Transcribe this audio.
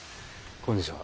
こんにちは。